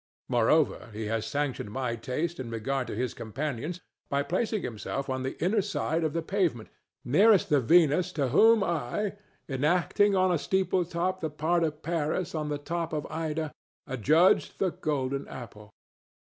Moreover, he has sanctioned my taste in regard to his companions by placing himself on the inner side of the pavement, nearest the Venus to whom I, enacting on a steeple top the part of Paris on the top of Ida, adjudged the golden apple.